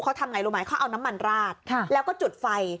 เขาทำไงรู้ไหมเขาเอาน้ำมันราดแล้วก็จุดไฟ